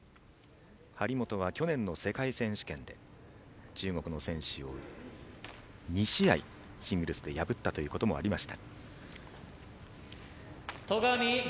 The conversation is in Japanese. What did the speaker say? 張本は去年の世界選手権で中国の選手を２試合、シングルスで破ったということもありました。